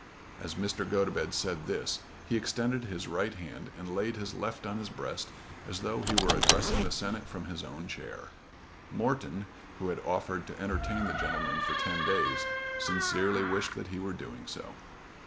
As Mr. Gotobed said this he extended his right hand and laid his left on his breast as though he were addressing the Senate from his own chair. Morton, who had offered to entertain the gentleman for ten days, sincerely wished that he were doing so.